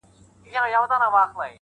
هره کشتۍ راته د تورې بلا خلۀ ښکارېږى